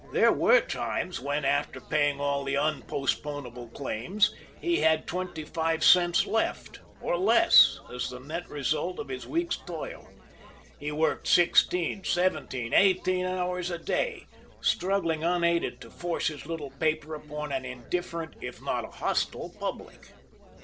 There were times when, after paying all the unpostponable claims, he had twenty five cents left, or less, as the net result of his week's toil. He worked sixteen, seventeen, eighteen hours a day, struggling unaided to force his little paper upon an indifferent if not a hostile public.